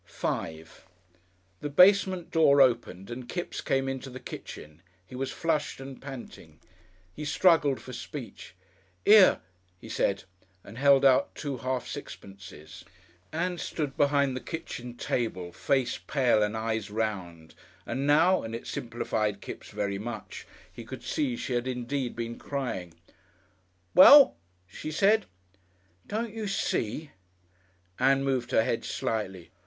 §5 The basement door opened and Kipps came into the kitchen. He was flushed and panting. He struggled for speech. "'Ere," he said, and held out two half sixpences. Ann stood behind the kitchen table face pale and eyes round, and now and it simplified Kipps very much he could see she had indeed been crying. "Well?" she said. "Don't you see?" Ann moved her head slightly.